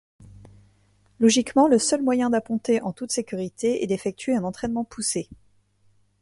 Logiquement, le seul moyen d'apponter en toute sécurité est d’effectuer un entraînement poussé.